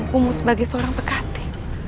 mengumum umum sebagai seorang pekati